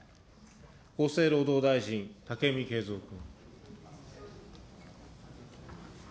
厚生労働大臣、武見敬三君。